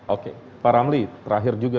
oke pak ramli terakhir juga